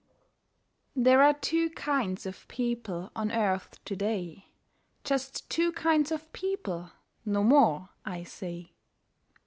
There are two kinds of people on earth to day; Just two kinds of people, no more, I say.